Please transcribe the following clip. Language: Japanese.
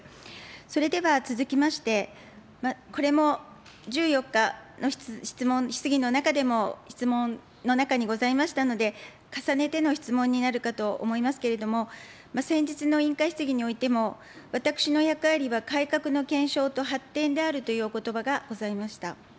それでは続きまして、これも１４日の質疑の中でも、質問の中にございましたので、重ねての質問になるかと思いますけれども、先日の委員会質疑においても、私の役割は改革の検証と発展であるというおことばがございました。